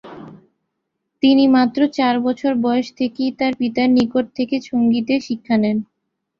তিনি মাত্র চার বছর বয়স থেকেই তার পিতার নিকট থেকে সঙ্গীতের শিক্ষা নেন।